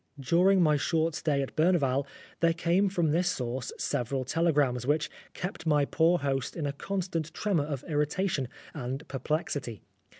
During my short stay at Berneval there came from this source several tele grams, which kept my poor host in a constant tremor of irritation and perplexity.